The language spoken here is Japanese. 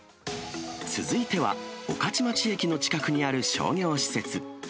続いては、御徒町駅近くにある商業施設。